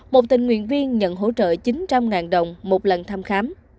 một tình nguyện viên nhận hỗ trợ chín trăm linh đồng một lần thăm khám